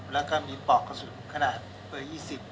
แล้วก็มีปอกกระสุนขนาดปืน๒๐